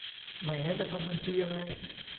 ไม่งั้นจะทำบัญชียังไง